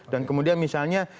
dan kemudian misalnya